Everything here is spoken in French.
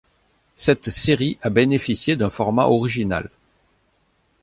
Cette série a bénéficié d'un format original.